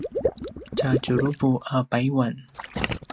tja tjuruvu a payuan